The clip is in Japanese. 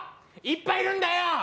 いっぱいいるんだよ！